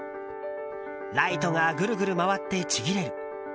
ライトがぐるぐる回ってちぎれる。